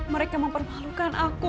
mereka mempermalukan aku